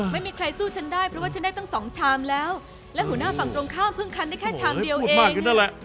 ไม่มีใครสู้ฉันได้เพราะว่าฉันได้ตั้งสองชามแล้วและหัวหน้าฝั่งตรงข้ามเพิ่งคันได้แค่ชามเดียวเองนั่นแหละ